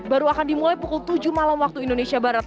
baru akan dimulai pukul tujuh malam waktu indonesia barat